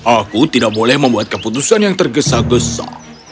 aku tidak boleh membuat keputusan yang tergesa gesa